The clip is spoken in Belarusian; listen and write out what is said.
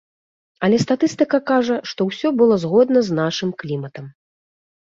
Але статыстыка кажа, што ўсё было згодна з нашым кліматам.